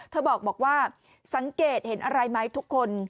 บอกว่าสังเกตเห็นอะไรไหมทุกคน